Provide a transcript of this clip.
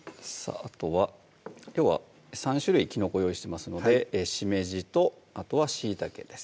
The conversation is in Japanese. あとはきょうは３種類きのこ用意してますのでしめじとあとはしいたけです